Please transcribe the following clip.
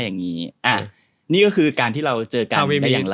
นี่คือการที่เราเจอกัน